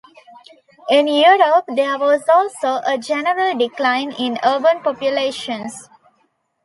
In Europe there was also a general decline in urban populations.